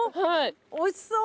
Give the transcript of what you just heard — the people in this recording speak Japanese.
おいしそう！